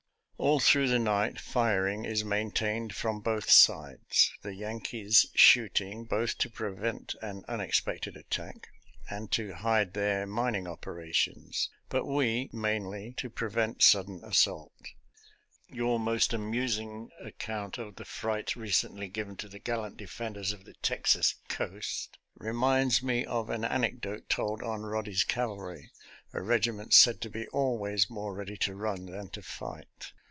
All through the night firing is main tained from both sides — the Yankees shooting, both to prevent an unexpected attack, and to hide their mining operations; but we, mainly to prevent sudden assault. Your most amusing account of the fright recently given to the gallant defenders of the uo J. F. 1,0 WN Private, Company H, Fourth Texas Regiment FACING 240 FUN IN THE TRENCHES 241 Texas coast, reminds me of an anecdote told on Eoddy's cavalry, a regiment said to be always more ready to run than to fight.